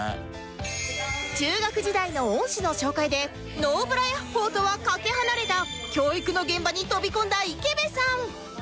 中学時代の恩師の紹介で「ノーブラヤッホー！」とはかけ離れた教育の現場に飛び込んだ池辺さん